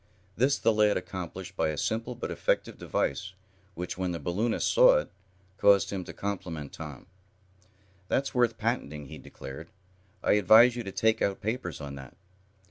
This the lad accomplished by a simple but effective device which, when the balloonist saw it, caused him to compliment Tom. "That's worth patenting," he declared. "I advise you to take out papers on that."